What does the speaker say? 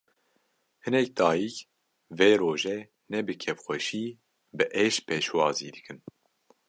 Hinek dayîk, vê rojê ne bi kêfxweşî, bi êş pêşwazî dikin